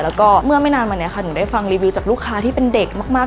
แล้วก็เมื่อไม่นานมาเนี่ยค่ะหนูได้ฟังรีวิวจากลูกค้าที่เป็นเด็กมาก